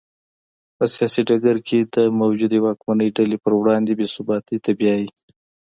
په سیاسي ډګر کې د موجودې واکمنې ډلې پر وړاندې بې ثباتۍ ته بیايي.